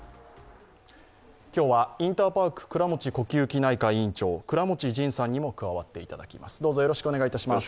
今日はインターパーク倉持呼吸器内科院長、倉持仁さんにも加わっていただきます。